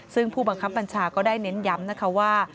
ซึ่งผู้บังคับบัญชาก็ได้เน้นย้ำนะคะว่า